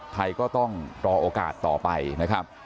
ไทยก็ต้องรอโอกาสต่อไปนะครับ